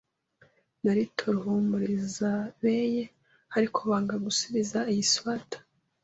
naritoruhumurizabeye, ariko banga gusubiza iyi swater.